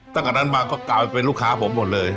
ตั้งแต่นั้นมาก็กลายเป็นลูกค้าผมหมดเลย